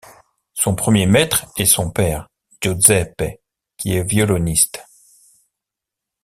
Son premier maître est son père, Giuseppe, qui est violoniste.